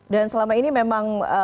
dan selama ini memang